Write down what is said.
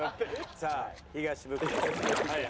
さあ東ブクロさん。